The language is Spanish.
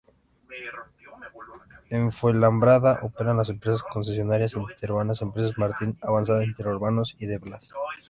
En Fuenlabrada operan las empresas concesionarias interurbanas Empresa Martín, Avanza Interurbanos, y De Blas.